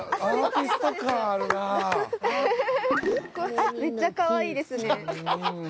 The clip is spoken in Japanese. あっめっちゃかわいいですね。